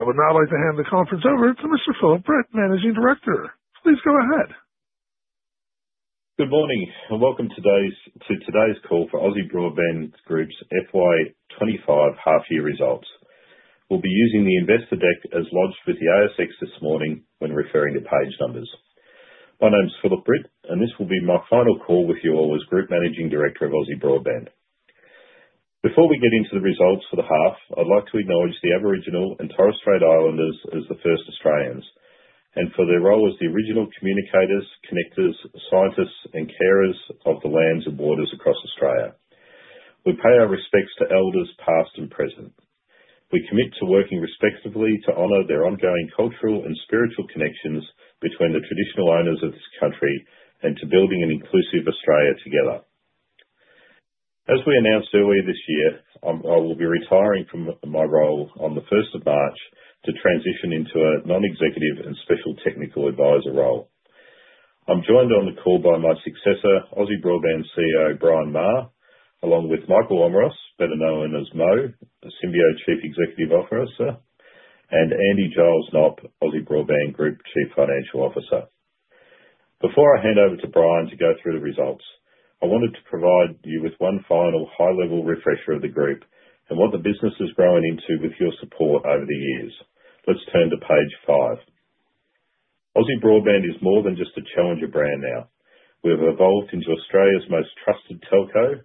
I would now like to hand the conference over to Mr. Phillip Britt, Managing Director. Please go ahead. Good morning, and welcome to today's call for Aussie Broadband Group's FY 2025 half-year results. We'll be using the investor deck as lodged with the ASX this morning when referring to page numbers. My name's Philip Britt, and this will be my final call with you all as Group Managing Director of Aussie Broadband. Before we get into the results for the half, I'd like to acknowledge the Aboriginal and Torres Strait Islanders as the first Australians, and for their role as the original communicators, connectors, scientists, and carers of the lands and waters across Australia. We pay our respects to elders past and present. We commit to working respectfully to honour their ongoing cultural and spiritual connections between the traditional owners of this country and to building an inclusive Australia together. As we announced earlier this year, I will be retiring from my role on the 1st of March to transition into a non-executive and special technical advisor role. I'm joined on the call by my successor, Aussie Broadband CEO Brian Maher, along with Michael Omeros, better known as Mo, a Symbio Chief Executive Officer, and Andy Giles Knopp, Aussie Broadband Group Chief Financial Officer. Before I hand over to Brian to go through the results, I wanted to provide you with one final high-level refresher of the group and what the business has grown into with your support over the years. Let's turn to page five. Aussie Broadband is more than just a challenger brand now. We have evolved into Australia's most trusted telco,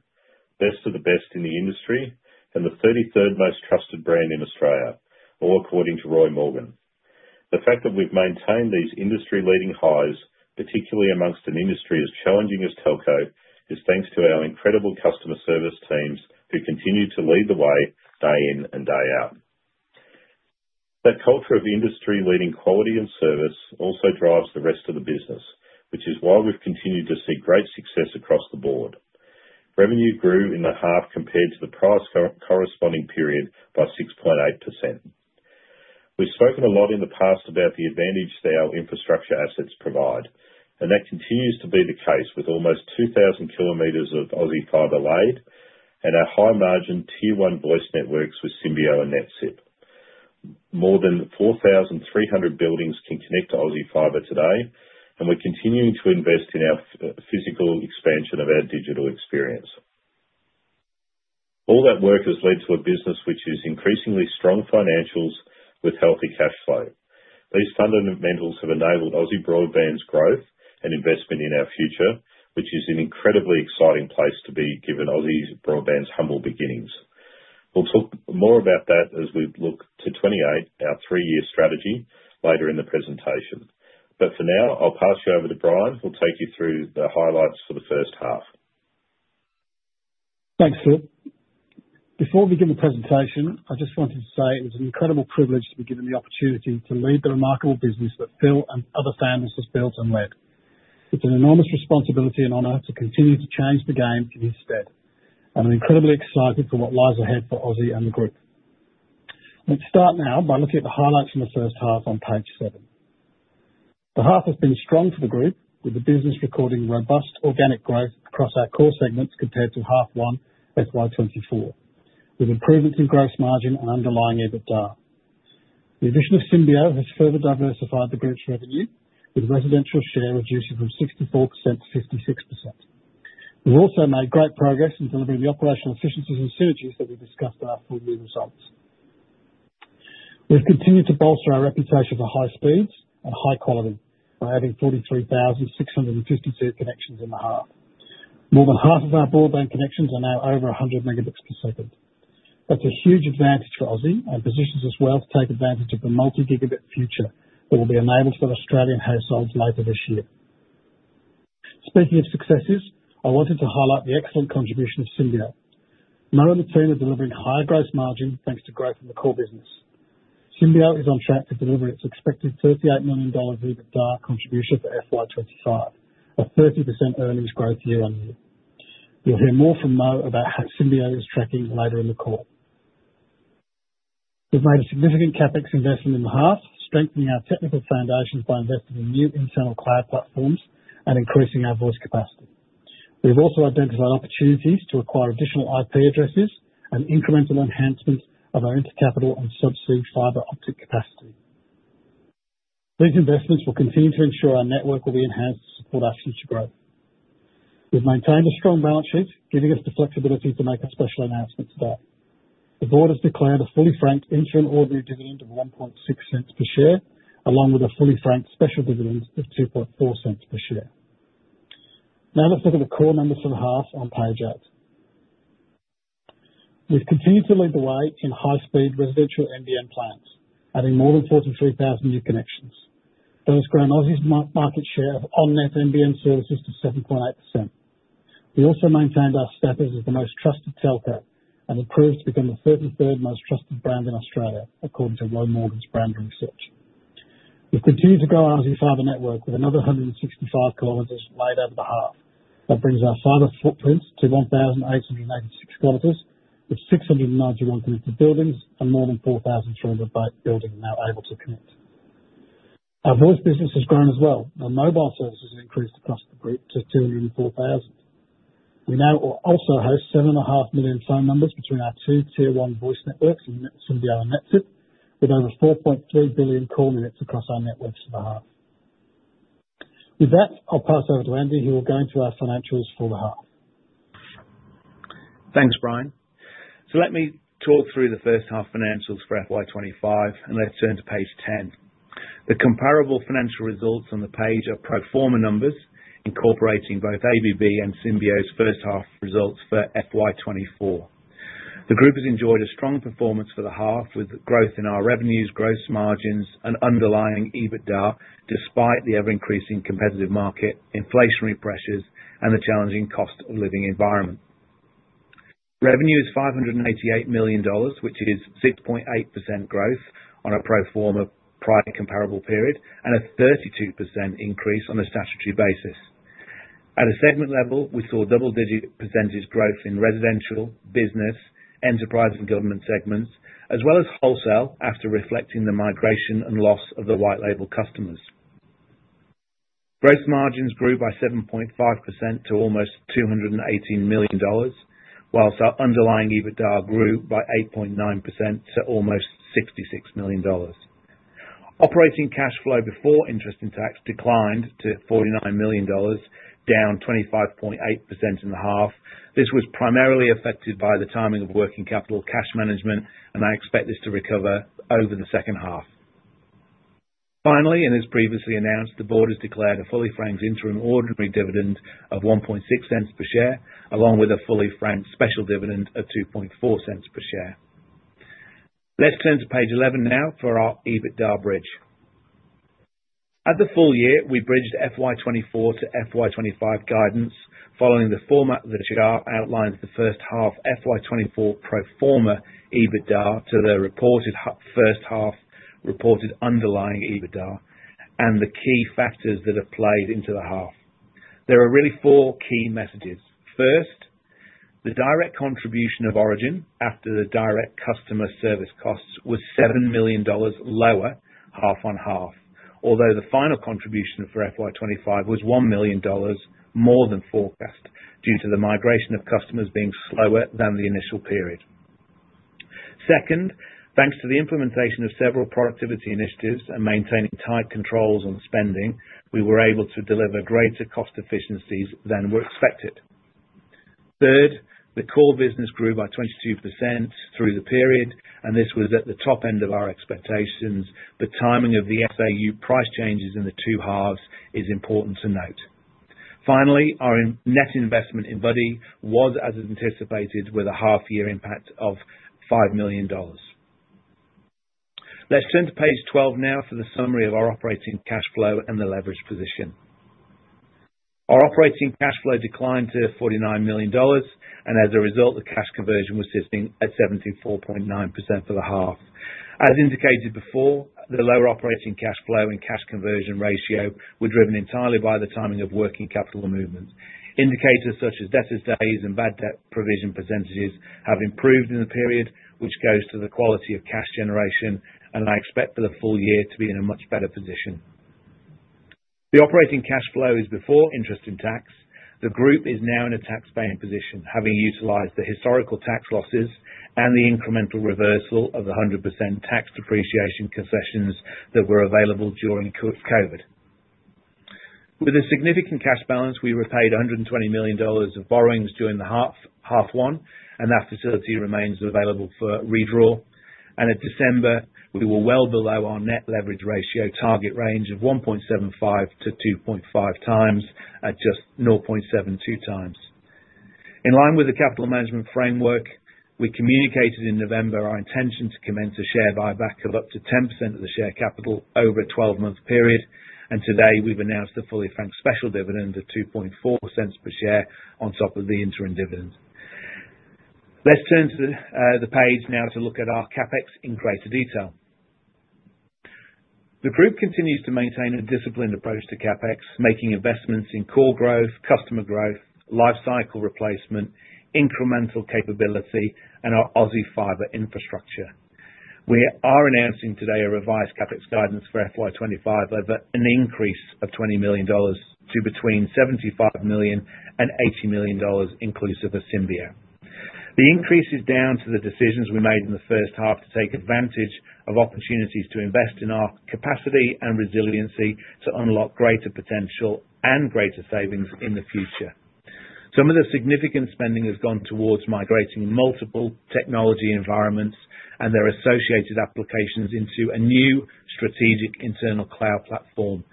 best of the best in the industry, and the 33rd most trusted brand in Australia, all according to Roy Morgan. The fact that we've maintained these industry-leading highs, particularly among an industry as challenging as telco, is thanks to our incredible customer service teams who continue to lead the way day in and day out. That culture of industry-leading quality and service also drives the rest of the business, which is why we've continued to see great success across the board. Revenue grew in the half compared to the prior corresponding period by 6.8%. We've spoken a lot in the past about the advantage that our infrastructure assets provide, and that continues to be the case with almost 2,000 km of Aussie Fibre laid and our high-margin Tier 1 voice networks with Symbio and NetSIP. More than 4,300 buildings can connect to Aussie Fibre today, and we're continuing to invest in our physical expansion of our digital experience. All that work has led to a business which is increasingly strong financials with healthy cash flow. These fundamentals have enabled Aussie Broadband's growth and investment in our future, which is an incredibly exciting place to be given Aussie Broadband's humble beginnings. We'll talk more about that as we look to 2028, our three-year strategy, later in the presentation. But for now, I'll pass you over to Brian who'll take you through the highlights for the first half. Thanks, Phil. Before we begin the presentation, I just wanted to say it was an incredible privilege to be given the opportunity to lead the remarkable business that Phil and other founders have built and led. It's an enormous responsibility and honor to continue to change the game in his stead, and I'm incredibly excited for what lies ahead for Aussie and the group. Let's start now by looking at the highlights from the first half on page seven. The half has been strong for the group, with the business recording robust organic growth across our core segments compared to half one FY 2024, with improvements in gross margin and underlying EBITDA. The addition of Symbio has further diversified the group's revenue, with residential share reducing from 64% to 56%. We've also made great progress in delivering the operational efficiencies and synergies that we discussed in our full-year results. We've continued to bolster our reputation for high speeds and high quality by having 43,652 connections in the half. More than half of our broadband connections are now over 100 Mbps. That's a huge advantage for Aussie and positions us well to take advantage of the multi-gigabit future that will be enabled for Australian households later this year. Speaking of successes, I wanted to highlight the excellent contribution of Symbio. Mo and the team are delivering higher gross margin thanks to growth in the core business. Symbio is on track to deliver its expected AUD 38 million EBITDA contribution for FY 2025, a 30% earnings growth year on year. You'll hear more from Mo about how Symbio is tracking later in the call. We've made a significant CapEx investment in the half, strengthening our technical foundations by investing in new internal cloud platforms and increasing our voice capacity. We've also identified opportunities to acquire additional IP addresses and incremental enhancements of our intercapital and subsea fiber optic capacity. These investments will continue to ensure our network will be enhanced to support our future growth. We've maintained a strong balance sheet, giving us the flexibility to make a special announcement today. The board has declared a fully franked interim and ordinary dividend of 0.016 per share, along with a fully franked special dividend of 0.024 per share. Now let's look at the core numbers for the half on page eight. We've continued to lead the way in high-speed residential NBN plans, adding more than 43,000 new connections. That has grown Aussie's market share of on-net NBN services to 7.8%. We also maintained our status as the most trusted telco and improved to become the 33rd most trusted brand in Australia, according to Roy Morgan's brand research. We continue to grow our Aussie Fibre network with another 165 km laid over the half. That brings our fibre footprint to 1,886 km, with 691 connected buildings and more than 4,300 buildings now able to connect. Our voice business has grown as well, and mobile services have increased across the group to 204,000. We now also host 7.5 million phone numbers between our two Tier 1 voice networks and Symbio and NetSIP, with over 4.3 billion call minutes across our networks for the half. With that, I'll pass over to Andy, who will go into our financials for the half. Thanks, Brian. So let me talk through the first half financials for FY 2025, and let's turn to page 10. The comparable financial results on the page are pro forma numbers, incorporating both ABB and Symbio's first half results for FY 2024. The group has enjoyed a strong performance for the half, with growth in our revenues, gross margins, and underlying EBITDA, despite the ever-increasing competitive market, inflationary pressures, and the challenging cost of living environment. Revenue is 588 million dollars, which is 6.8% growth on a pro forma prior comparable period and a 32% increase on a statutory basis. At a segment level, we saw double-digit percentage growth in residential, business, enterprise, and government segments, as well as wholesale after reflecting the migration and loss of the white label customers. Gross margins grew by 7.5% to almost 218 million dollars, while our underlying EBITDA grew by 8.9% to almost 66 million dollars. Operating cash flow before interest and tax declined to 49 million dollars, down 25.8% in the half. This was primarily affected by the timing of working capital cash management, and I expect this to recover over the second half. Finally, and as previously announced, the board has declared a fully franked interim and ordinary dividend of 0.016 per share, along with a fully franked special dividend of 0.024 per share. Let's turn to page 11 now for our EBITDA bridge. At the full year, we bridged FY 2024 to FY 2025 guidance, following the format that the chart outlines the first half FY 2024 pro forma EBITDA to the reported first half underlying EBITDA and the key factors that have played into the half. There are really four key messages. First, the direct contribution of Origin after the direct customer service costs was 7 million dollars lower half on half, although the final contribution for FY 2025 was 1 million dollars more than forecast due to the migration of customers being slower than the initial period. Second, thanks to the implementation of several productivity initiatives and maintaining tight controls on spending, we were able to deliver greater cost efficiencies than were expected. Third, the core business grew by 22% through the period, and this was at the top end of our expectations, but timing of the SAU price changes in the two halves is important to note. Finally, our net investment in Buddy was, as anticipated, with a half-year impact of 5 million dollars. Let's turn to page 12 now for the summary of our operating cash flow and the leverage position. Our operating cash flow declined to 49 million dollars, and as a result, the cash conversion was sitting at 74.9% for the half. As indicated before, the lower operating cash flow and cash conversion ratio were driven entirely by the timing of working capital movement. Indicators such as debtor days and bad debt provision percentages have improved in the period, which goes to the quality of cash generation, and I expect for the full year to be in a much better position. The operating cash flow is before interest and tax. The group is now in a tax-paying position, having utilized the historical tax losses and the incremental reversal of the 100% tax depreciation concessions that were available during COVID. With a significant cash balance, we repaid 120 million dollars of borrowings during the half one, and that facility remains available for redraw. At December, we were well below our net leverage ratio target range of 1.75-2.5 times at just 0.72 times. In line with the capital management framework, we communicated in November our intention to commence a share buyback of up to 10% of the share capital over a 12-month period, and today we've announced a fully franked special dividend of 0.024 per share on top of the interim dividend. Let's turn to the page now to look at our CapEx in greater detail. The group continues to maintain a disciplined approach to CapEx, making investments in core growth, customer growth, life cycle replacement, incremental capability, and our Aussie Fibre infrastructure. We are announcing today a revised CapEx guidance for FY 2025 over an increase of 20 million dollars to between 75 million and 80 million dollars inclusive of Symbio. The increase is down to the decisions we made in the first half to take advantage of opportunities to invest in our capacity and resiliency to unlock greater potential and greater savings in the future. Some of the significant spending has gone towards migrating multiple technology environments and their associated applications into a new strategic internal cloud platform.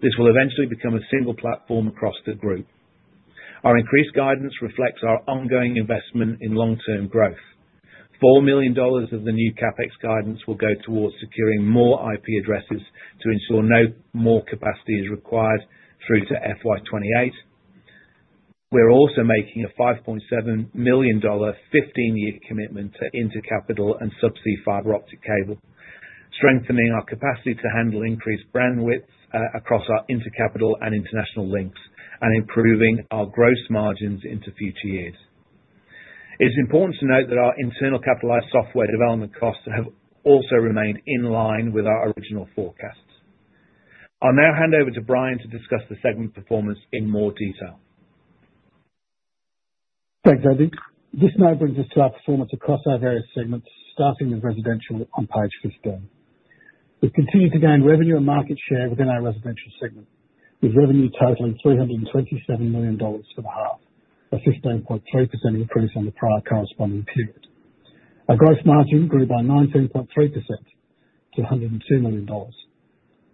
This will eventually become a single platform across the group. Our increased guidance reflects our ongoing investment in long-term growth. 4 million dollars of the new CapEx guidance will go towards securing more IP addresses to ensure no more capacity is required through to FY 2028. We're also making a 5.7 million dollar 15-year commitment to inter-capital and subsea fiber optic cable, strengthening our capacity to handle increased bandwidth across our inter-capital and international links, and improving our gross margins into future years. It's important to note that our internal capitalized software development costs have also remained in line with our original forecasts. I'll now hand over to Brian to discuss the segment performance in more detail. Thanks, Andy. This now brings us to our performance across our various segments, starting with residential on page 15. We continue to gain revenue and market share within our residential segment, with revenue totaling 327 million dollars for the half, a 15.3% increase on the prior corresponding period. Our gross margin grew by 19.3% to 102 million dollars,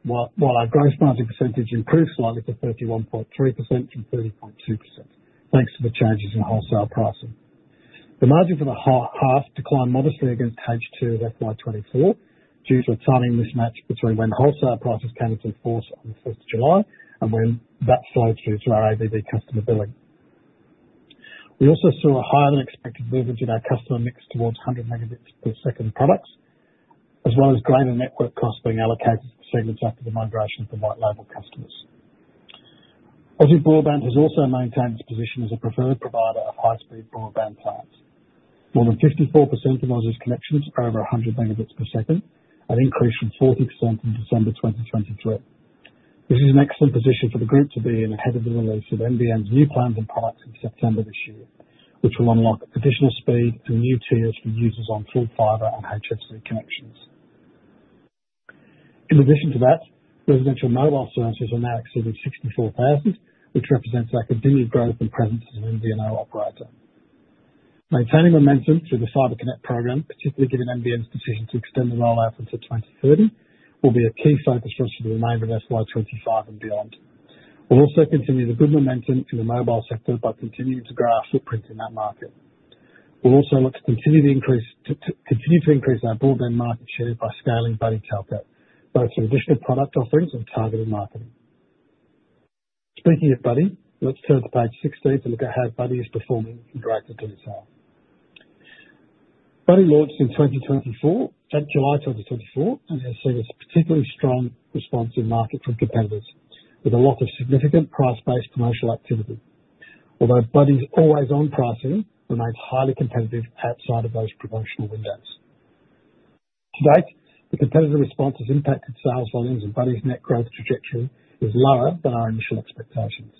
while our gross margin percentage improved slightly to 31.3% from 30.2%, thanks to the changes in wholesale pricing. The margin for the half declined modestly against H2 of FY 2024 due to a timing mismatch between when wholesale prices came into force on the 1st of July and when that slowed through to our ABB customer billing. We also saw a higher-than-expected leverage in our customer mix towards 100 Mbps products, as well as greater network costs being allocated to segments after the migration for white label customers. Aussie Broadband has also maintained its position as a preferred provider of high-speed broadband plans. More than 54% of Aussie's connections are over 100 Mbps, an increase from 40% in December 2023. This is an excellent position for the group to be in ahead of the release of NBN's new plans and products in September this year, which will unlock additional speed and new tiers for users on full fiber and HFC connections. In addition to that, residential mobile services are now exceeding 64,000, which represents our continued growth and presence as an MVNO operator. Maintaining momentum through the Fiber Connect program, particularly given NBN's decision to extend the rollout into 2030, will be a key focus for us for the remainder of FY 2025 and beyond. We'll also continue the good momentum in the mobile sector by continuing to grow our footprint in that market. We'll also look to continue to increase our broadband market share by scaling Buddy Telco, both through additional product offerings and targeted marketing. Speaking of Buddy, let's turn to page 16 to look at how Buddy is performing in greater detail. Buddy launched in 2024, July 2024, and has seen a particularly strong response in market from competitors, with a lot of significant price-based commercial activity. Although Buddy's always-on pricing remains highly competitive outside of those promotional windows. To date, the competitor response has impacted sales volumes, and Buddy's net growth trajectory is lower than our initial expectations.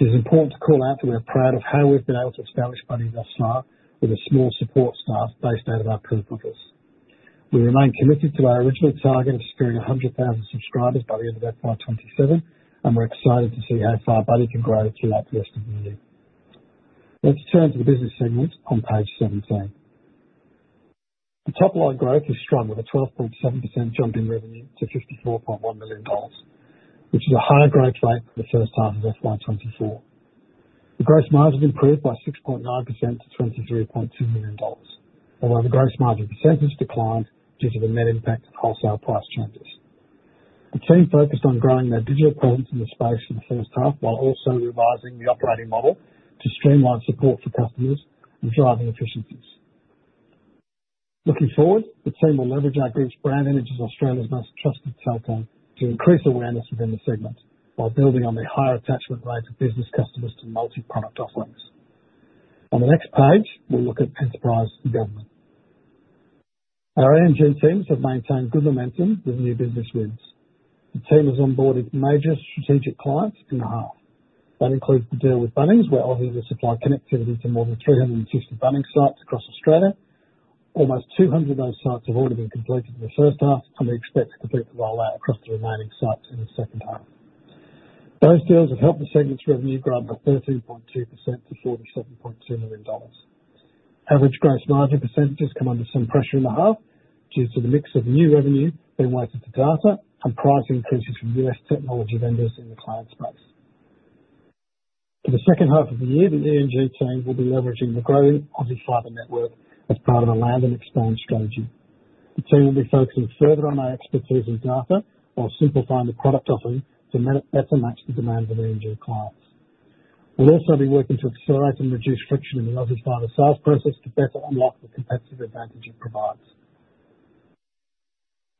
It is important to call out that we are proud of how we've been able to establish Buddy thus far, with a small support staff based out of our peripherals. We remain committed to our original target of securing 100,000 subscribers by the end of FY 2027, and we're excited to see how far Buddy can grow throughout the rest of the year. Let's turn to the business segment on page 17. The top line growth is strong, with a 12.7% jump in revenue to AUD 54.1 million, which is a higher growth rate for the first half of FY 2024. The gross margin improved by 6.9% to 23.2 million dollars, although the gross margin percentage declined due to the net impact of wholesale price changes. The team focused on growing their digital presence in the space for the first half, while also revising the operating model to streamline support for customers and drive efficiencies. Looking forward, the team will leverage our group's brand image as Australia's most trusted telco to increase awareness within the segment, while building on the higher attachment rate of business customers to multi-product offerings. On the next page, we'll look at enterprise development. Our E&G teams have maintained good momentum with new business wins. The team has onboarded major strategic clients in the half. That includes the deal with Bunnings, where Aussie will supply connectivity to more than 350 Bunnings sites across Australia. Almost 200 of those sites have already been completed in the first half, and we expect to complete the rollout across the remaining sites in the second half. Those deals have helped the segment's revenue grow by 13.2% to AUD 47.2 million. Average gross margin percentages come under some pressure in the half due to the mix of new revenue being weighted to data and price increases from U.S. technology vendors in the client space. For the second half of the year, the E&G team will be leveraging the growing Aussie Fibre network as part of a land and expand strategy. The team will be focusing further on our expertise in data while simplifying the product offering to better match the demands of E&G clients. We'll also be working to accelerate and reduce friction in the Aussie Fibre sales process to better unlock the competitive advantage it provides.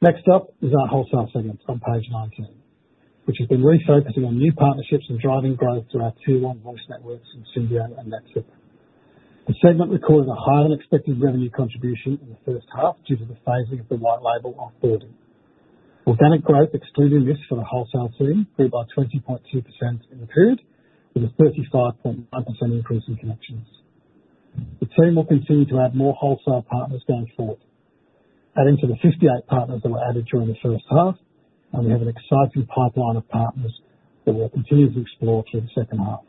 Next up is our wholesale segment on page 19, which has been refocusing on new partnerships and driving growth through our Tier 1 voice networks from Symbio and NetSIP. The segment recorded a higher-than-expected revenue contribution in the first half due to the phasing of the white label onboarding. Organic growth excluding this for the wholesale team grew by 20.2% in the period, with a 35.9% increase in connections. The team will continue to add more wholesale partners going forward, adding to the 58 partners that were added during the first half, and we have an exciting pipeline of partners that we'll continue to explore through the second half.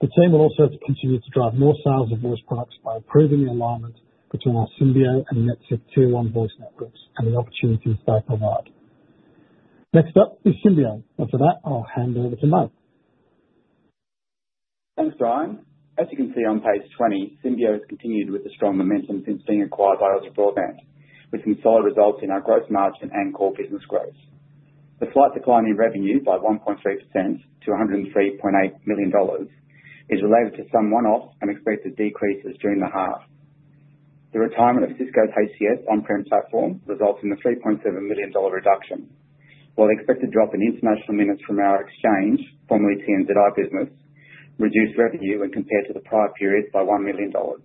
The team will also continue to drive more sales of voice products by improving the alignment between our Symbio and NetSIP tier 1 voice networks and the opportunities they provide. Next up is Symbio, and for that, I'll hand over to Mike. Thanks, Brian. As you can see on page 20, Symbio has continued with the strong momentum since being acquired by Aussie Broadband, with some solid results in our gross margin and core business growth. The slight decline in revenue by 1.3% to 103.8 million dollars is related to some one-off unexpected decreases during the half. The retirement of Cisco's HCS on-prem platform results in a 3.7 million dollar reduction, while the expected drop in international minutes from our exchange, formerly TNZI Business, reduced revenue when compared to the prior period by 1 million dollars.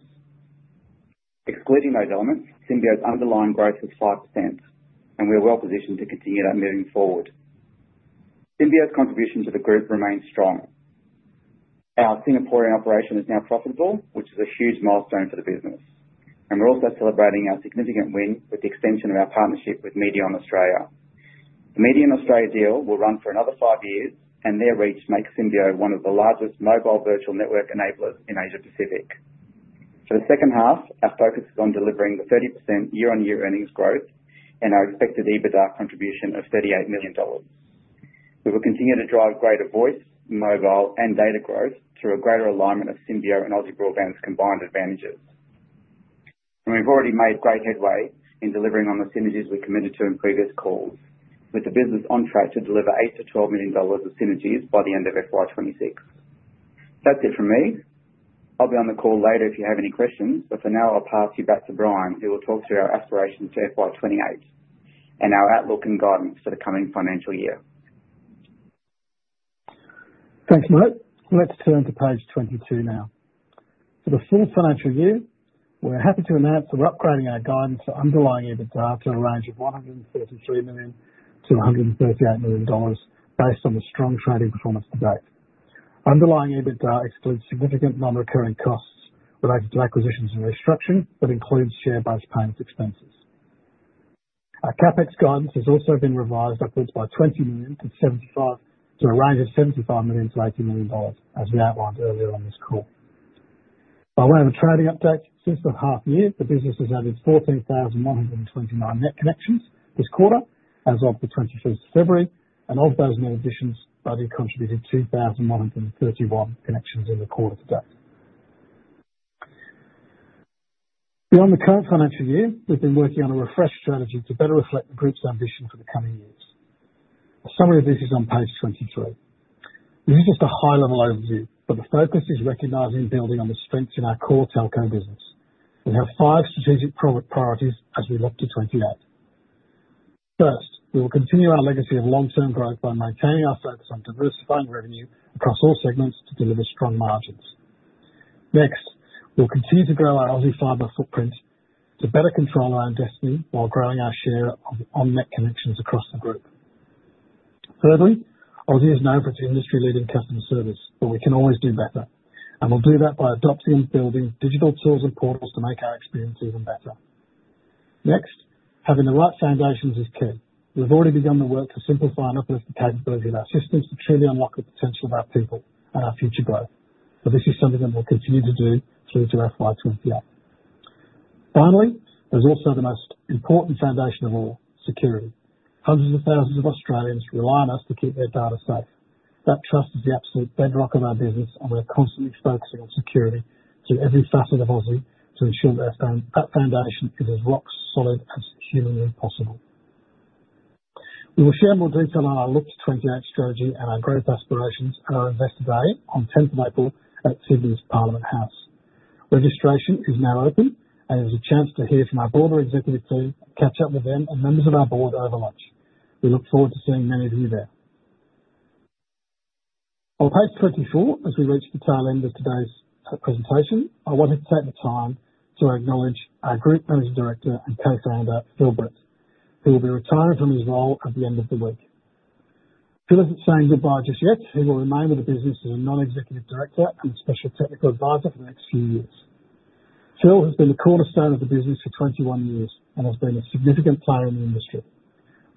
Excluding those elements, Symbio's underlying growth is 5%, and we are well positioned to continue that moving forward. Symbio's contribution to the group remains strong. Our Singaporean operation is now profitable, which is a huge milestone for the business, and we're also celebrating our significant win with the extension of our partnership with Medion Australia. The Medion Australia deal will run for another five years, and their reach makes Symbio one of the largest mobile virtual network enablers in Asia Pacific. For the second half, our focus is on delivering the 30% year-on-year earnings growth and our expected EBITDA contribution of 38 million dollars. We will continue to drive greater voice, mobile, and data growth through a greater alignment of Symbio and Aussie Broadband's combined advantages, and we've already made great headway in delivering on the synergies we committed to in previous calls, with the business on track to deliver 8 million-12 million dollars of synergies by the end of FY 2026. That's it from me. I'll be on the call later if you have any questions, but for now, I'll pass you back to Brian, who will talk through our aspirations to FY 2028 and our outlook and guidance for the coming financial year. Thanks, Mike. Let's turn to page 22 now. For the full financial year, we're happy to announce that we're upgrading our guidance for underlying EBITDA to a range of 138 million-143 million dollars based on the strong trading performance to date. Underlying EBITDA excludes significant non-recurring costs related to acquisitions and restructuring, but includes share-based payments expenses. Our CapEx guidance has also been revised upwards by 20 million to a range of 75 million-80 million dollars, as we outlined earlier on this call. By way of a trading update, since the half year, the business has added 14,129 net connections this quarter, as of the 21st of February, and of those net additions, Buddy contributed 2,131 connections in the quarter to date. Beyond the current financial year, we've been working on a refreshed strategy to better reflect the group's ambition for the coming years. A summary of this is on page 23. This is just a high-level overview, but the focus is recognizing, building on the strengths in our core telco business. We have five strategic priorities as we look to 2028. First, we will continue our legacy of long-term growth by maintaining our focus on diversifying revenue across all segments to deliver strong margins. Next, we'll continue to grow our Aussie Fibre footprint to better control our destiny while growing our share of on-net connections across the group. Thirdly, Aussie is known for its industry-leading customer service, but we can always do better, and we'll do that by adopting and building digital tools and portals to make our experience even better. Next, having the right foundations is key. We've already begun the work to simplify and uplift the capability of our systems to truly unlock the potential of our people and our future growth, but this is something that we'll continue to do through to FY 2028. Finally, there's also the most important foundation of all, security. Hundreds of thousands of Australians rely on us to keep their data safe. That trust is the absolute bedrock of our business, and we're constantly focusing on security through every facet of Aussie to ensure that that foundation is as rock solid as humanly possible. We will share more detail on our look to 2028 strategy and our growth aspirations at our investor day on 10th of April at Sydney's Parliament House. Registration is now open, and it is a chance to hear from our broader executive team, catch up with them, and members of our board over lunch. We look forward to seeing many of you there. On page 24, as we reach the tail end of today's presentation, I wanted to take the time to acknowledge our Group Managing Director and Co-founder, Phil Britt, who will be retiring from his role at the end of the week. Phil isn't saying goodbye just yet. He will remain with the business as a non-executive director and a special technical advisor for the next few years. Phil has been the cornerstone of the business for 21 years and has been a significant player in the industry.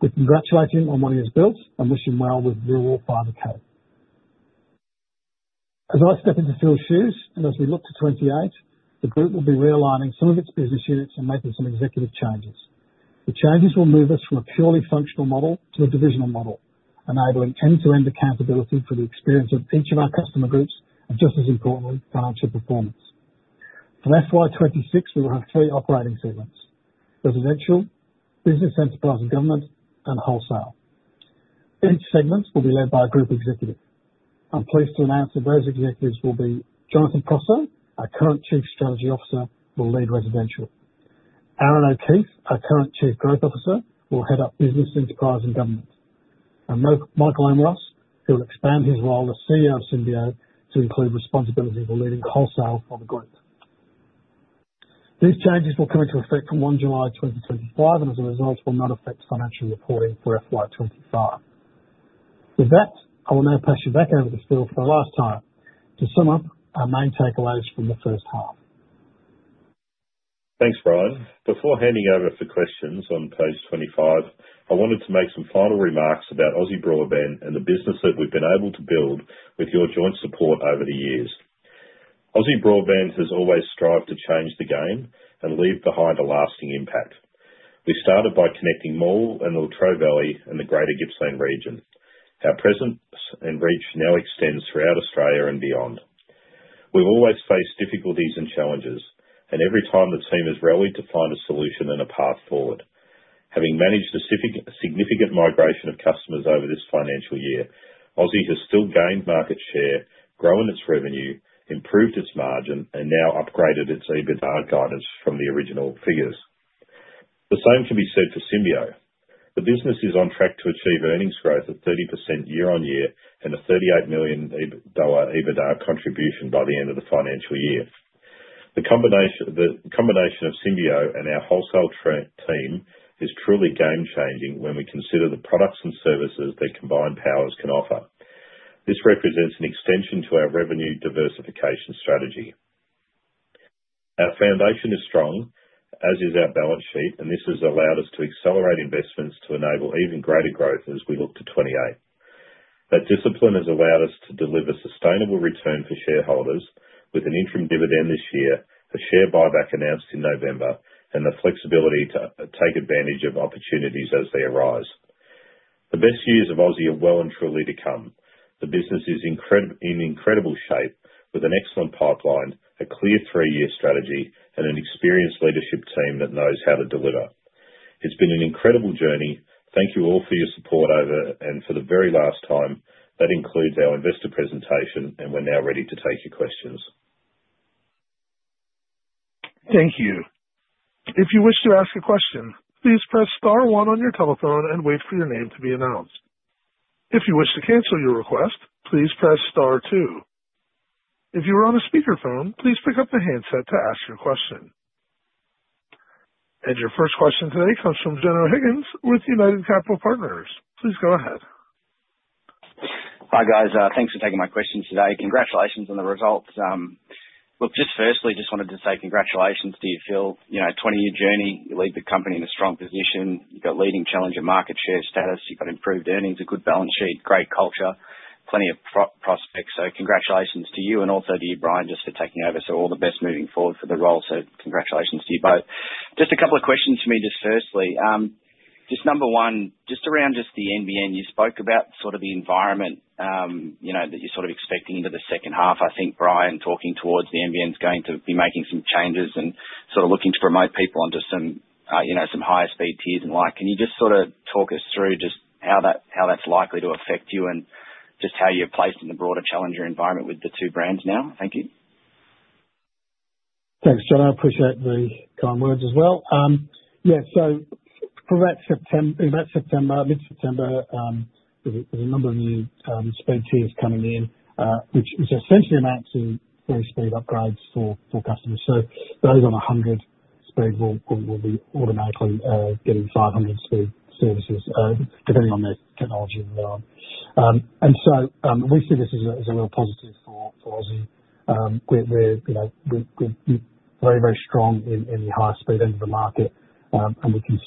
We congratulate him on what he has built and wish him well with Rule 5 Capital. As I step into Phil's shoes and as we look to 2028, the group will be re-aligning some of its business units and making some executive changes. The changes will move us from a purely functional model to a divisional model, enabling end-to-end accountability for the experience of each of our customer groups and, just as importantly, financial performance. For FY 2026, we will have three operating segments: residential, business, enterprise, and government, and wholesale. Each segment will be led by a group executive. I'm pleased to announce that those executives will be Jonathan Prosser, our current Chief Strategy Officer, who will lead residential. Aaron O'Keeffe, our current Chief Growth Officer, will head up business, enterprise, and government. And Michael Omeros, who will expand his role as CEO of Symbio to include responsibility for leading wholesale for the group. These changes will come into effect from 1 July 2025 and, as a result, will not affect financial reporting for FY 2025. With that, I will now pass you back over to Phil for the last time to sum up our main takeaways from the first half. Thanks, Brian. Before handing over for questions on page 25, I wanted to make some final remarks about Aussie Broadband and the business that we've been able to build with your joint support over the years. Aussie Broadband has always strived to change the game and leave behind a lasting impact. We started by connecting Morwell and the Latrobe Valley and the Greater Gippsland region. Our presence and reach now extends throughout Australia and beyond. We've always faced difficulties and challenges, and every time the team has rallied to find a solution and a path forward. Having managed a significant migration of customers over this financial year, Aussie has still gained market share, grown its revenue, improved its margin, and now upgraded its EBITDA guidance from the original figures. The same can be said for Symbio. The business is on track to achieve earnings growth of 30% year-on-year and an 38 million dollar EBITDA contribution by the end of the financial year. The combination of Symbio and our wholesale team is truly game-changing when we consider the products and services their combined powers can offer. This represents an extension to our revenue diversification strategy. Our foundation is strong, as is our balance sheet, and this has allowed us to accelerate investments to enable even greater growth as we look to 2028. That discipline has allowed us to deliver sustainable return for shareholders, with an interim dividend this year, a share buyback announced in November, and the flexibility to take advantage of opportunities as they arise. The best years of Aussie are well and truly to come. The business is in incredible shape, with an excellent pipeline, a clear three-year strategy, and an experienced leadership team that knows how to deliver. It's been an incredible journey. Thank you all for your support over and for the very last time. That concludes our investor presentation, and we're now ready to take your questions. Thank you. If you wish to ask a question, please press star one on your telephone and wait for your name to be announced. If you wish to cancel your request, please press star two. If you are on a speakerphone, please pick up the handset to ask your question. And your first question today comes from Jonathon Higgins with United Capital Partners. Please go ahead. Hi, guys. Thanks for taking my questions today. Congratulations on the results. Look, just firstly, just wanted to say congratulations to you, Phil. 20-year journey. You lead the company in a strong position. You've got leading challenger market share status. You've got improved earnings, a good balance sheet, great culture, plenty of prospects. So congratulations to you and also to you, Brian, just for taking over. So all the best moving forward for the role. So congratulations to you both. Just a couple of questions for me just firstly. Just number one, just around just the NBN, you spoke about sort of the environment that you're sort of expecting into the second half. I think Brian talking towards the NBN's going to be making some changes and sort of looking to promote people onto some higher speed tiers and the like. Can you just sort of talk us through just how that's likely to affect you and just how you're placed in the broader challenger environment with the two brands now? Thank you. Thanks, Jon. I appreciate the kind words as well. Yeah, so for about September, mid-September, there's a number of new speed tiers coming in, which essentially amounts to free speed upgrades for customers. So those on 100 speed will be automatically getting 500 speed services depending on their technology and whatnot. And so we see this as a real positive for Aussie. We're very, very strong in the higher speed end of the market, and we think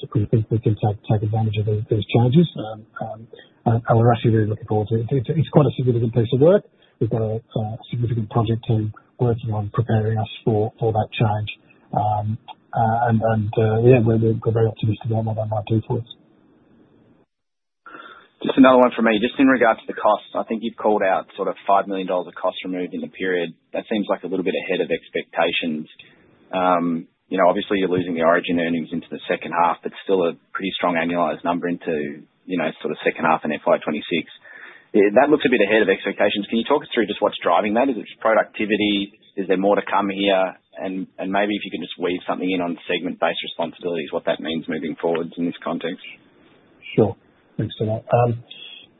we can take advantage of these changes. And we're actually really looking forward to it. It's quite a significant piece of work. We've got a significant project team working on preparing us for that change. And yeah, we're very optimistic about what that might do for us. Just another one from me. Just in regards to the costs, I think you've called out sort of 5 million dollars of costs removed in the period. That seems like a little bit ahead of expectations. Obviously, you're losing the Origin earnings into the second half, but still a pretty strong annualized number into sort of second half in FY 2026. That looks a bit ahead of expectations. Can you talk us through just what's driving that? Is it productivity? Is there more to come here? And maybe if you can just weave something in on segment-based responsibilities, what that means moving forward in this context. Sure. Thanks for that.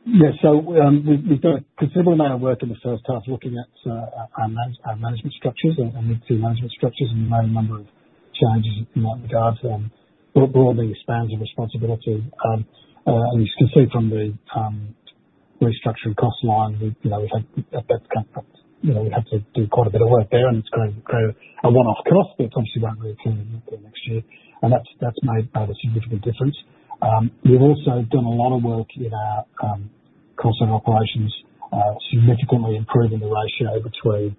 Yeah, so we've done a considerable amount of work in the first half looking at our management structures and mid-tier management structures and the main number of changes in that regard, broadly expands the responsibility, and as you can see from the restructuring cost line, we've had to do quite a bit of work there, and it's created a one-off cost that obviously won't reappear next year, and that's made a significant difference. We've also done a lot of work in our call center operations, significantly improving the ratio between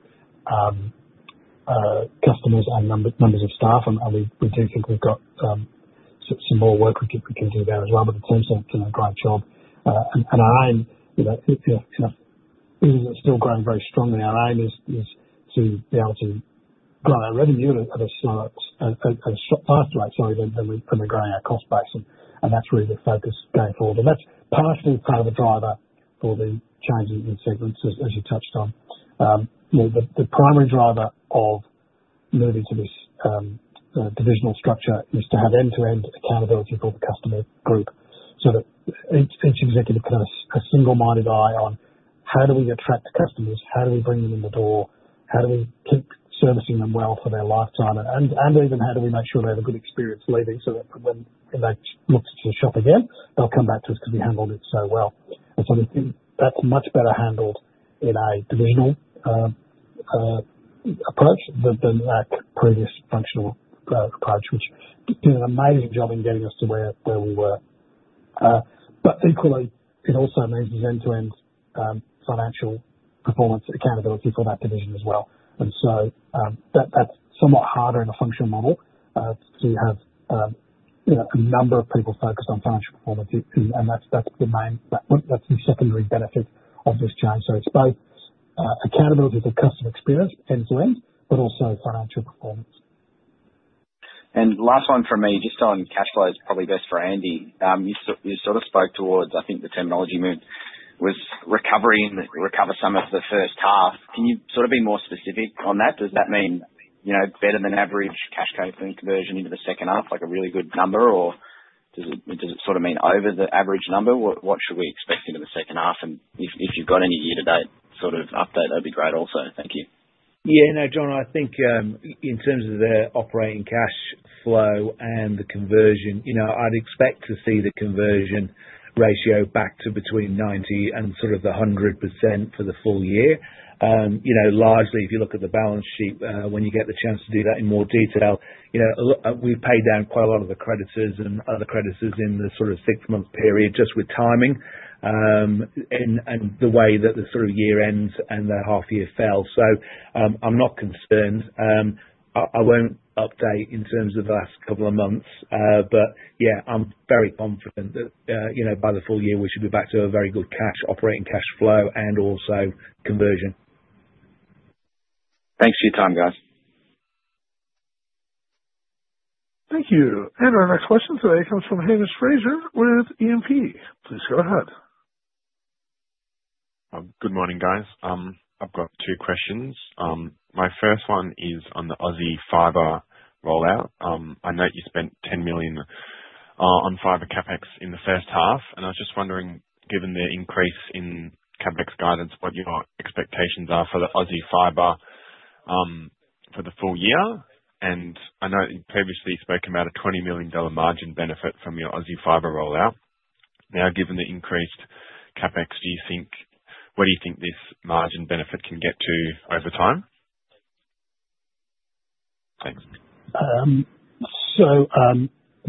customers and numbers of staff, and we do think we've got some more work we can do there as well, but it seems like a great job. Our aim, even though it's still growing very strongly, is to be able to grow our revenue at a sharper rate than we're growing our cost base. That's really the focus going forward. That's partially part of the driver for the changing in segments, as you touched on. The primary driver of moving to this divisional structure is to have end-to-end accountability for the customer group so that each executive can have a single-minded eye on how do we attract customers, how do we bring them in the door, how do we keep servicing them well for their lifetime, and even how do we make sure they have a good experience leaving so that when they look to shop again, they'll come back to us because we handled it so well. That's much better handled in a divisional approach than that previous functional approach, which did an amazing job in getting us to where we were. But equally, it also means there's end-to-end financial performance accountability for that division as well. That's somewhat harder in a functional model to have a number of people focused on financial performance. That's the secondary benefit of this change. It's both accountability for customer experience end-to-end, but also financial performance. And last one from me, just on cash flows, probably best for Andy. You sort of spoke to, I think, the terminology used was recovery and recover some of the first half. Can you sort of be more specific on that? Does that mean better than average cash conversion into the second half, like a really good number, or does it sort of mean over the average number? What should we expect into the second half? And if you've got any year-to-date sort of update, that'd be great also. Thank you. Yeah, no, John, I think in terms of the operating cash flow and the conversion, I'd expect to see the conversion ratio back to between 90% and sort of 100% for the full year. Largely, if you look at the balance sheet, when you get the chance to do that in more detail, we've paid down quite a lot of the creditors and other creditors in the sort of six-month period just with timing and the way that the sort of year-ends and the half-year fell. So I'm not concerned. I won't update in terms of the last couple of months, but yeah, I'm very confident that by the full year, we should be back to a very good cash operating cash flow and also conversion. Thanks for your time, guys. Thank you. And our next question today comes from Hamish Fraser with EWP. Please go ahead. Good morning, guys. I've got two questions. My first one is on the Aussie Fiber rollout. I know you spent 10 million on Fiber CapEx in the first half, and I was just wondering, given the increase in CapEx guidance, what your expectations are for the Aussie Fiber for the full year, and I know you previously spoke about a 20 million dollar margin benefit from your Aussie Fiber rollout. Now, given the increased CapEx, what do you think this margin benefit can get to over time? Thanks. I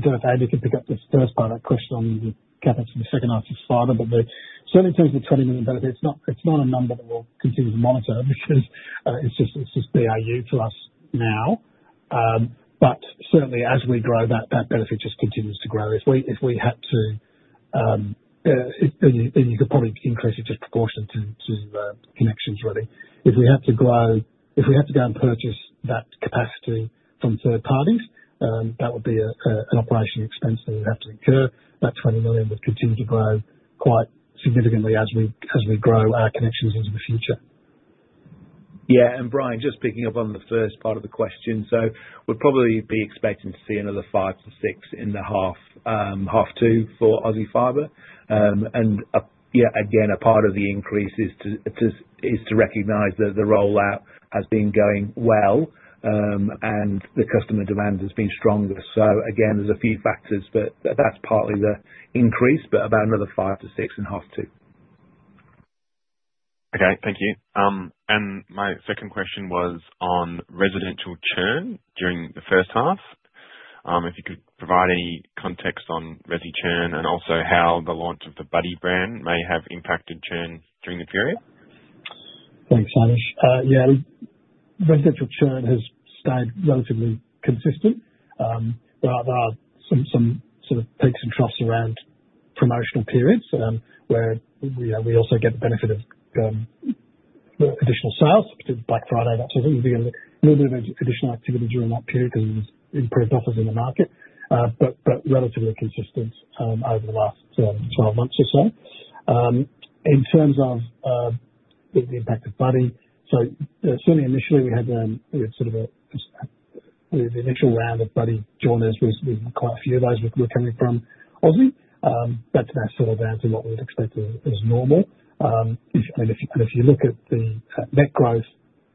don't know if Andy could pick up this first part of that question on the CapEx and the second half of Fiber, but certainly in terms of the 20 million dollars benefit, it's not a number that we'll continue to monitor because it's just BAU for us now. But certainly, as we grow, that benefit just continues to grow. If we had to, and you could probably increase it just proportion to connections really, if we had to go and purchase that capacity from third parties, that would be an operational expense that we'd have to incur. That 20 million would continue to grow quite significantly as we grow our connections into the future. Yeah, and Brian, just picking up on the first part of the question, so we'd probably be expecting to see another five to six in the half two for Aussie Fibre. And yeah, again, a part of the increase is to recognize that the rollout has been going well and the customer demand has been stronger. So again, there's a few factors, but that's partly the increase, but about another five to six in half two. Okay. Thank you. And my second question was on residential churn during the first half. If you could provide any context on resi churn and also how the launch of the Buddy brand may have impacted churn during the period. Thanks, Hamish. Yeah, residential churn has stayed relatively consistent. There are some sort of peaks and troughs around promotional periods where we also get the benefit of additional sales, like Friday, so there will be a little bit of additional activity during that period because there's improved offers in the market, but relatively consistent over the last 12 months or so. In terms of the impact of Buddy, so certainly initially we had sort of the initial round of Buddy joiners, we had quite a few of those coming from Aussie. That sort of bounced in what we would expect as normal, and if you look at the net growth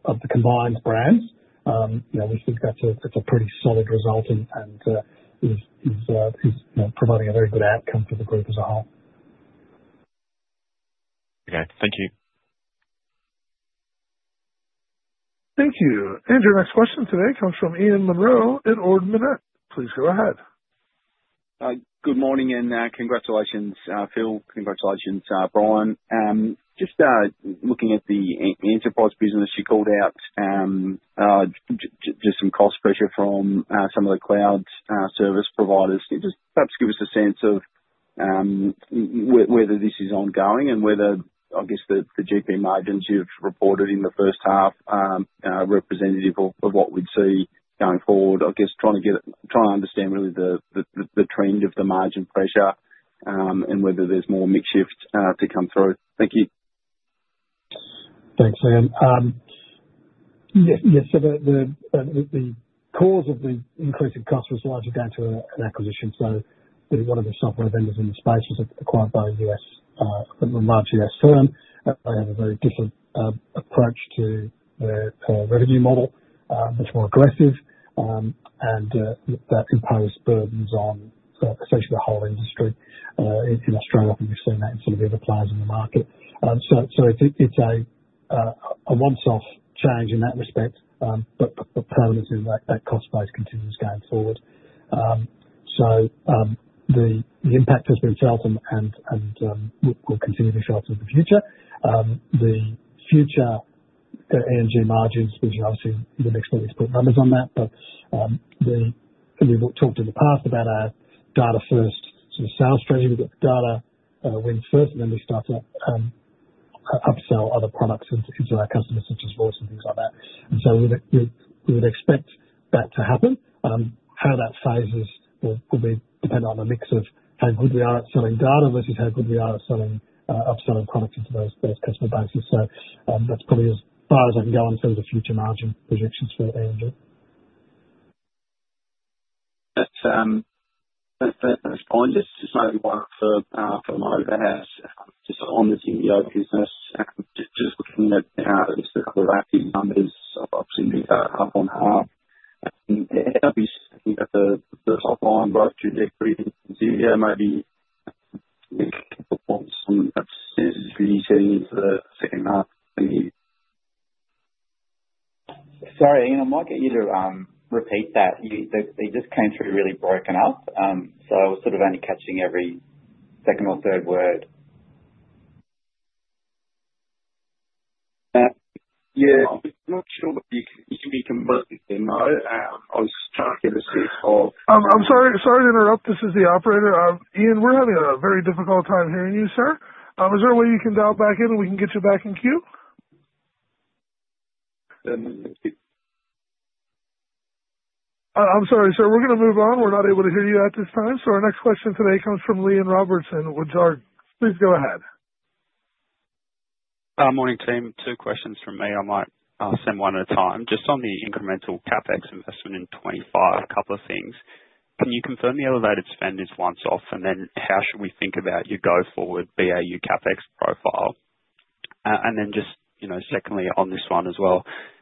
of the combined brands, we think that's a pretty solid result and is providing a very good outcome for the group as a whole. Okay. Thank you. Thank you. And your next question today comes from Ian Munro at [Ord Minnett]. Please go ahead. Good morning and congratulations, Phil. Congratulations, Brian. Just looking at the enterprise business, you called out just some cost pressure from some of the cloud service providers. Can you just perhaps give us a sense of whether this is ongoing and whether, I guess, the GP margins you've reported in the first half are representative of what we'd see going forward? I guess trying to understand really the trend of the margin pressure and whether there's more mixed shift to come through. Thank you. Thanks, Ian. Yeah, so the cause of the increase in cost was largely down to an acquisition. So one of the software vendors in the space was acquired by a large U.S. firm. They have a very different approach to their revenue model, much more aggressive, and that imposed burdens on essentially the whole industry in Australia. We've seen that in some of the other players in the market. So it's a one-off change in that respect, but permanent in that cost base continues going forward. So the impact has been felt and will continue to be felt in the future. The future ENG margins, obviously, the next step is to put numbers on that. But we've talked in the past about our data-first sort of sales strategy. We get the data wins first, and then we start to upsell other products into our customers, such as voice and things like that. And so we would expect that to happen. How that phases will depend on a mix of how good we are at selling data versus how good we are at upselling products into those customer bases. So that's probably as far as I can go in terms of future margin projections for ENG. That's fine. Just maybe one for my overhead, just on the Symbio business, just looking at just a couple of active numbers, obviously up on half, and I think that the top line growth should decrease in Symbio maybe. Performance on that is really setting into the second half. Thank you. Sorry, Ian, I might get you to repeat that. It just came through really broken up, so I was sort of only catching every second or third word. Yeah, I'm not sure that you can be converted there, no. I was just trying to get a sense of. I'm sorry to interrupt. This is the operator. Ian, we're having a very difficult time hearing you, sir. Is there a way you can dial back in and we can get you back in queue? I'm sorry, sir. We're going to move on. We're not able to hear you at this time. So our next question today comes from Liam Robertson. Please go ahead. Morning, team. Two questions from me. I might ask them one at a time. Just on the incremental CapEx investment in 2025, a couple of things. Can you confirm the elevated spend is once-off, and then how should we think about your go forward BAU CapEx profile? And then just secondly on this one as well,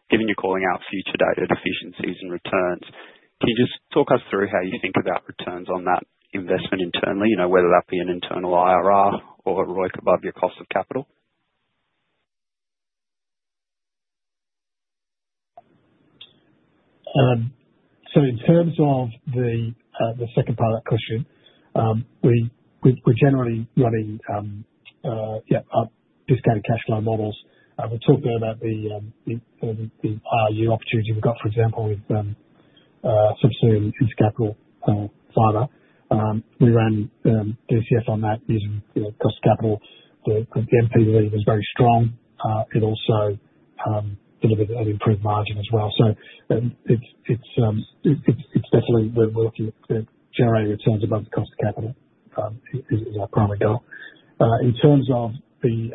given you're calling out future-dated efficiencies and returns, can you just talk us through how you think about returns on that investment internally, whether that be an internal IRR or a ROIC above your cost of capital? So in terms of the second part of that question, we're generally running discounted cash flow models. We're talking about the IRU opportunity we've got, for example, with Subsea and Intercapital Fibre. We ran DCF on that using cost of capital. The NPV was very strong. It also delivered an improved margin as well. So it's definitely where we're looking at generating returns above the cost of capital is our primary goal. In terms of the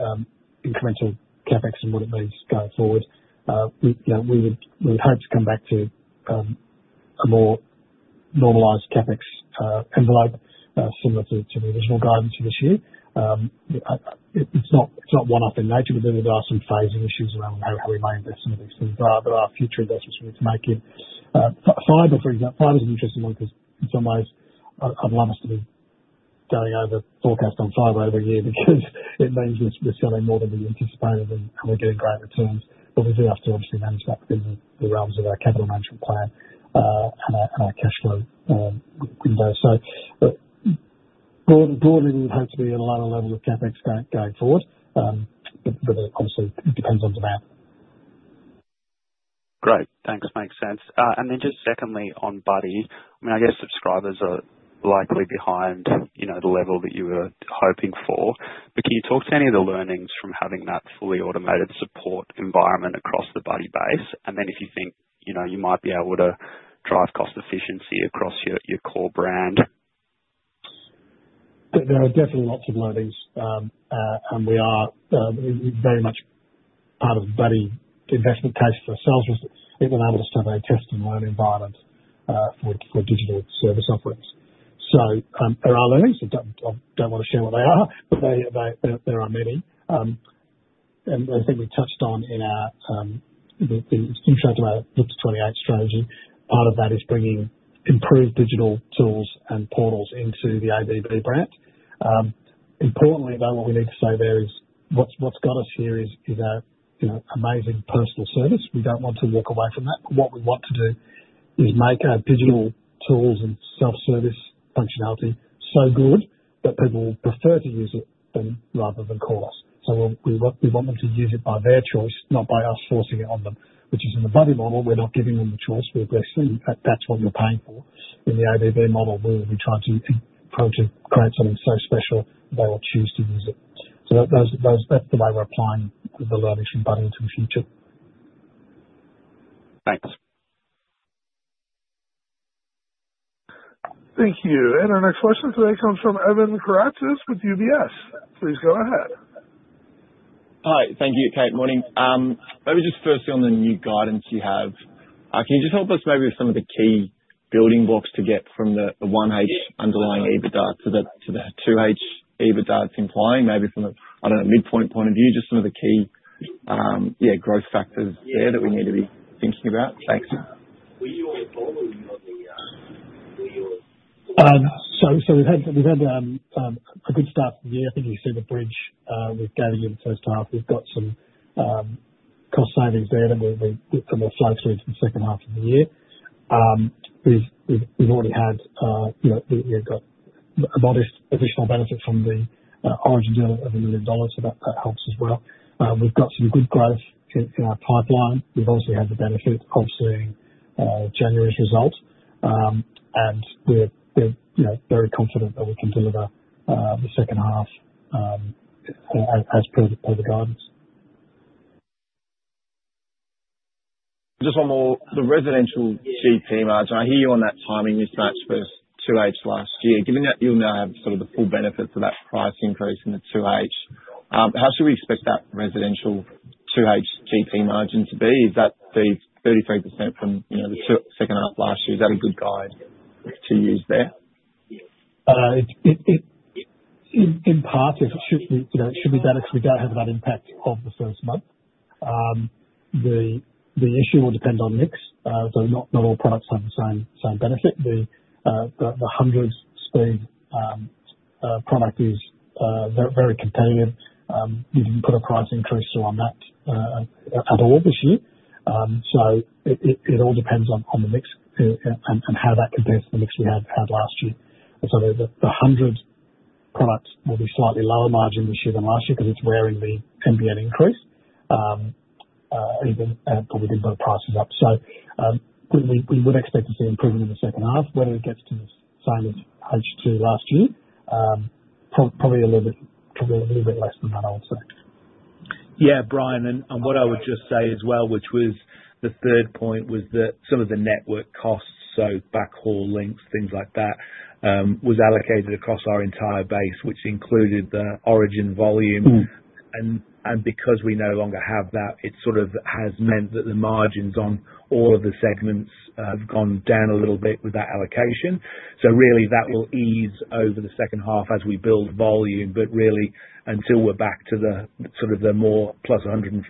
incremental CapEx and what it means going forward, we would hope to come back to a more normalized CapEx envelope similar to the original guidance for this year. It's not one-off in nature, but there will be some phasing issues around how we may invest some of these things that are future investments we need to make in. Fibre, for example, Fibre is an interesting one because in some ways, I'd love us to be going over forecast on Fibre over a year because it means we're selling more than we anticipated and we're getting great returns. But we do have to obviously manage that within the realms of our capital management plan and our cash flow window. So broadly, we would hope to be at a lower level of CapEx going forward, but obviously, it depends on demand. Great. Thanks. Makes sense. And then just secondly on Buddy, I mean, I guess subscribers are likely behind the level that you were hoping for. But can you talk to any of the learnings from having that fully automated support environment across the Buddy base? And then if you think you might be able to drive cost efficiency across your core brand? There are definitely lots of learnings, and we are very much part of Buddy's investment case for sales risk. It's been able to serve as test and learn environments for digital service offerings. So there are learnings. I don't want to share what they are, but there are many. I think we touched on, in our integrated 2028 strategy, part of that is bringing improved digital tools and portals into the ABB brand. Importantly, though, what we need to say there is what's got us here is our amazing personal service. We don't want to walk away from that. What we want to do is make our digital tools and self-service functionality so good that people will prefer to use it rather than call us. So we want them to use it by their choice, not by us forcing it on them, which is in the Buddy model. We're not giving them the choice. That's what you're paying for. In the ABB model, we try to create something so special they will choose to use it. So that's the way we're applying the learnings from Buddy into the future. Thanks. Thank you. And our next question today comes from Evan Karatzas with UBS. Please go ahead. Hi. Thank you, Kate. Morning. Maybe just firstly on the new guidance you have, can you just help us maybe with some of the key building blocks to get from the 1H underlying EBITDA to the 2H EBITDA it's implying? Maybe from a, I don't know, midpoint point of view, just some of the key, yeah, growth factors there that we need to be thinking about. Thanks. So we've had a good start to the year. I think we've seen the bridge with gaining in the first half. We've got some cost savings there that we've put more flex with the second half of the year. We've got a modest additional benefit from the Origin deal of 1 million dollars, so that helps as well. We've got some good growth in our pipeline. We've obviously had the benefit of seeing January's result, and we're very confident that we can deliver the second half as per the guidance. Just one more. The residential GP margin, I hear you on that timing mismatch for 2H last year. Given that you'll now have sort of the full benefit for that price increase in the 2H, how should we expect that residential 2H GP margin to be? Is that the 33% from the second half last year? Is that a good guide to use there? In part, it should be better because we don't have that impact of the first month. The issue will depend on mix, so not all products have the same benefit. The 100 speed product is very competitive. We didn't put a price increase on that at all this year. So it all depends on the mix and how that compares to the mix we had last year. So the 100 product will be slightly lower margin this year than last year because it's wearing the NBN increase, even probably didn't put prices up. So we would expect to see improvement in the second half. Whether it gets to the same as H2 last year, probably a little bit less than that, I would say. Yeah, Brian. And what I would just say as well, which was the third point, was that some of the network costs, so backhaul links, things like that, was allocated across our entire base, which included the Origin volume. And because we no longer have that, it sort of has meant that the margins on all of the segments have gone down a little bit with that allocation. So really, that will ease over the second half as we build volume, but really, until we're back to sort of the more plus 140,000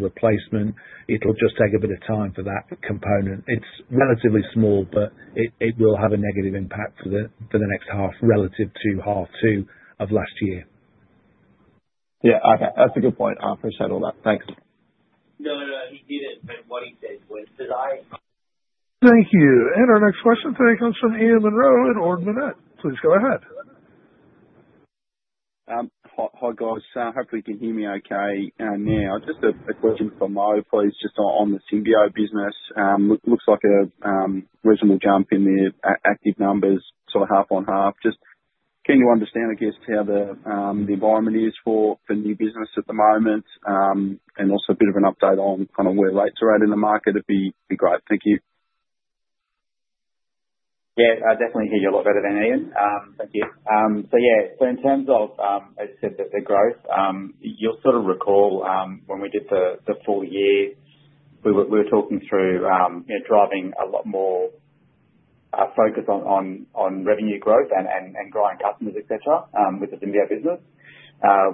replacement, it'll just take a bit of time for that component. It's relatively small, but it will have a negative impact for the next half relative to half two of last year. Yeah. Okay. That's a good point. I appreciate all that. Thanks. No, no, no. He didn't mean what he said. Because I. Thank you. And our next question today comes from Ian Munro at Ord Minnett. Please go ahead. Hi guys. Hopefully, you can hear me okay now. Just a question for Mo, please, just on the Symbio business. Looks like a reasonable jump in the active numbers, sort of half on half. Just can you understand, I guess, how the environment is for new business at the moment? And also a bit of an update on kind of where rates are at in the market would be great. Thank you. Yeah. I definitely hear you a lot better than Ian. Thank you. So yeah, so in terms of, as you said, the growth, you'll sort of recall when we did the full year, we were talking through driving a lot more focus on revenue growth and growing customers, etc., with the Symbio business.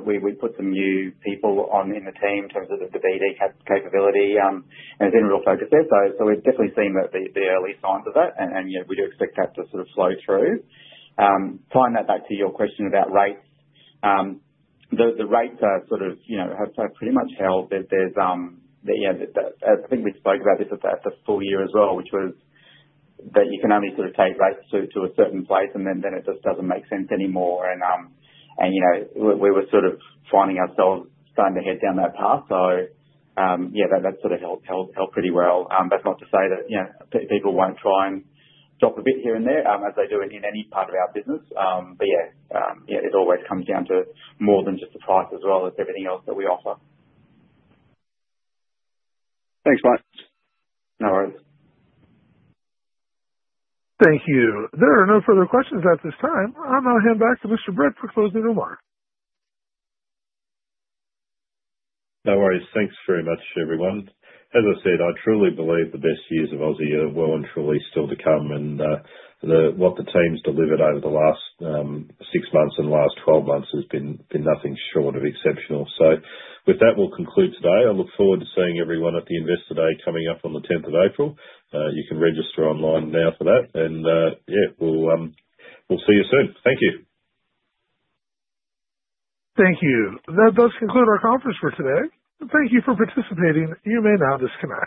We put some new people on in the team in terms of the BD capability, and it's been a real focus there. So we've definitely seen the early signs of that, and we do expect that to sort of flow through. Tying that back to your question about rates, the rates sort of have pretty much held. I think we spoke about this at the full year as well, which was that you can only sort of take rates to a certain place, and then it just doesn't make sense anymore, and we were sort of finding ourselves starting to head down that path, so yeah, that sort of helped pretty well. That's not to say that people won't try and drop a bit here and there as they do in any part of our business, but yeah, it always comes down to more than just the price as well as everything else that we offer. Thanks, mate. No worries. Thank you. There are no further questions at this time. I'll now hand back to Mr. Britt for closing remarks. No worries. Thanks very much, everyone. As I said, I truly believe the best years of Aussie are well and truly still to come, and what the team's delivered over the last six months and last 12 months has been nothing short of exceptional. So with that, we'll conclude today. I look forward to seeing everyone at the Investor Day coming up on the 10th of April. You can register online now for that. And yeah, we'll see you soon. Thank you. Thank you. That does conclude our conference for today. Thank you for participating. You may now disconnect.